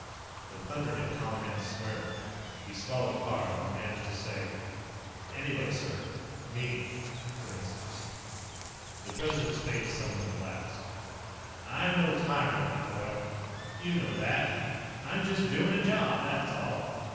The thunder hit Colihan squarely. He swallowed hard, and then managed to say: "Anybody, sir. Me, for instance." The President's face suddenly relaxed. "I'm no tyrant, my boy. You know that. I'm just doing a job, that's all."